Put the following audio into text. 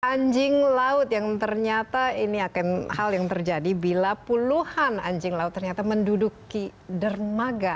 anjing laut yang ternyata ini akan hal yang terjadi bila puluhan anjing laut ternyata menduduki dermaga